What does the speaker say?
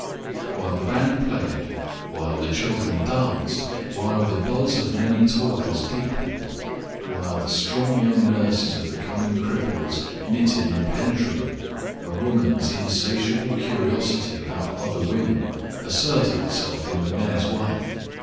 While the band played, while the children danced, while the buzz of many talkers deepened, while the strong young nurses of the coming cripples knitted impenetrably, a woman's insatiable curiosity about other women asserted itself in the mayor's wife.